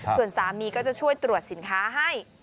ส่วนสามีก็จะช่วยตรวจสินค้าให้